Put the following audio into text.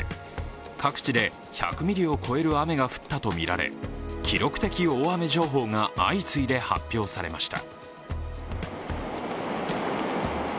各地で１００ミリを超える雨が降ったとみられ、記録的大雨情報が相次いで発表されました。